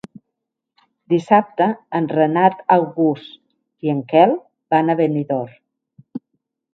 Dissabte en Renat August i en Quel van a Benidorm.